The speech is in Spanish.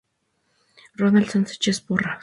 Ronald Sánchez Porras.